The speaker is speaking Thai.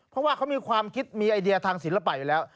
เพราะว่าเขามีความคิดมีไอเดียทางศิลปะอยู่แล้ว